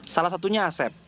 salah satunya asep